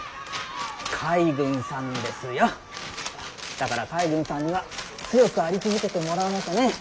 だから海軍さんには強くあり続けてもらわねえとね。